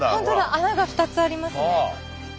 穴が２つありますね。